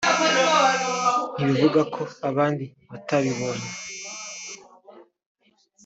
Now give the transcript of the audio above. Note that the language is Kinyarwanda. ntibivuga ko abandi batabibonye